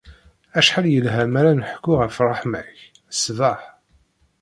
Acḥal yelha mi ara nḥekku ɣef ṛṛeḥma-k, ssbeḥ.